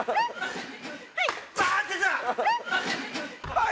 はい！